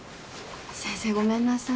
先生ごめんなさい。